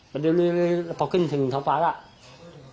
มันลื้อแล้วพอขึ้นถึงท้องฟ้าแล้ว